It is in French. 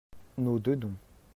Nos deux noms.